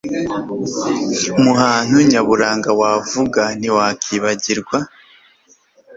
Mu hantu nyaburanga wavuga ntiwakwibagirwa